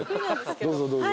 どうぞどうぞ。